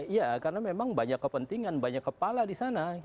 iya karena memang banyak kepentingan banyak kepala di sana